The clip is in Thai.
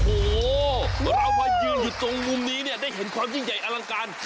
โอ้โหเรามายืนอยู่ตรงมุมนี้เนี่ยได้เห็นความยิ่งใหญ่อลังการ